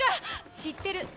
知ってる。